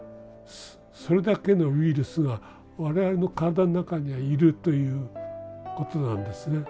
それだけのウイルスが我々の体の中にはいるということなんですね。